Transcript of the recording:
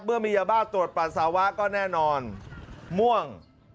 เมื่อมียาบ้าตรวจปัสสาวะก็แน่นอนม่วง